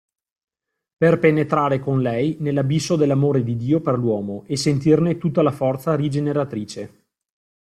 Per penetrare con Lei nell'abisso dell'amore di Dio per l'uomo e sentirne tutta la forza rigeneratrice.